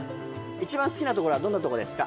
一番好きなところはどんなとこですか？